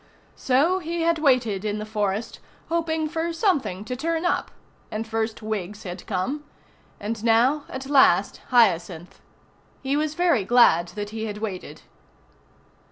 So he had waited in the forest, hoping for something to turn up; and first Wiggs had come ... and now at last Hyacinth. He was very glad that he had waited.